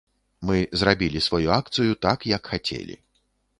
Мы зрабілі сваю акцыю, так як хацелі.